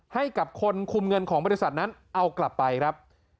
ให้กับคนคุมเงินของบริษัทนั้นเอากลับไปครับ